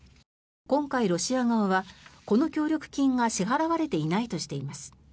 今回、ロシア側はこの協力金が支払われていないとしています。